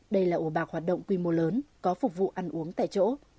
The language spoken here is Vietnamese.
đây là ổ bạc hoạt động quy mô lớn có phục vụ ăn uống tại chỗ